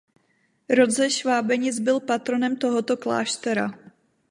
Rod ze Švábenic byl patronem tohoto kláštera.